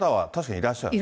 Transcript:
いらっしゃる。